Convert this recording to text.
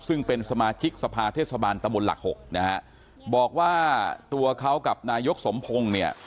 ซึ่งเป็นสมาชิกสภาเทศบาลตะมนต์หลักหกนะฮะบอกว่าตัวเขากับนายกสมพงศ์เนี่ย